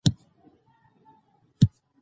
د نورو په غم کې ځان شریک کړئ.